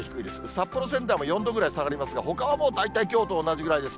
札幌、仙台も４度ぐらい下がりますが、ほかはもう大体きょうと同じぐらいです。